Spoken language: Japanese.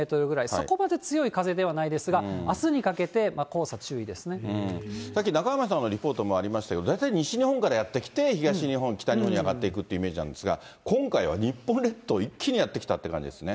そこまで強い風ではないですが、さっき中山さんのリポートもありましたけど、大体、西日本からやって来て、東日本、北日本に上がっていくってイメージなんですが、今回は日本列島一気にやって来たって感じですね。